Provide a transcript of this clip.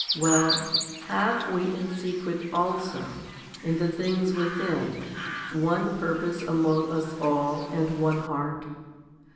Well, have we in secret also, in the things within, one purpose among us all, and one heart?